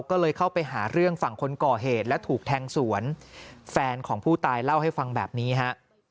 ก็เลยเข้าไปหาเรื่องฝั่งคนก่อเหตุและถูกแทงสวนแฟนของผู้ตายเล่าให้ฟังแบบนี้ฮะ